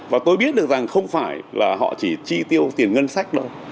và tôi biết được rằng không phải là họ chỉ tri tiêu tiền ngân sách thôi